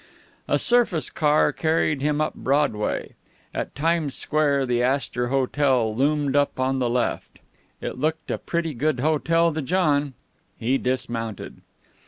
A surface car carried him up Broadway. At Times Square the Astor Hotel loomed up on the left. It looked a pretty good hotel to John. He dismounted.